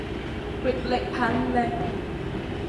虢礫緙嘞